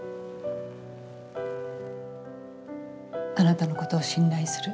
あなたのことを信頼する。